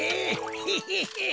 ヘヘヘ。